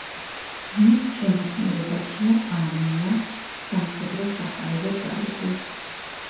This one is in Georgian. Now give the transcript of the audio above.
მის შემადგენლობაშია: არმია, სამხედრო-საჰაერო ძალები.